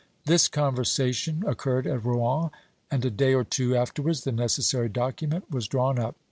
This conversation occurred at Rouen, and a day or two afterwards the necessary document was drawn up.